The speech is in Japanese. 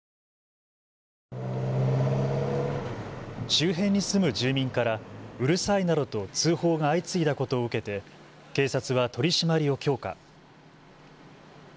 周辺に住む住民からうるさいなどと通報が相次いだことを受けて警察は取締りを強化。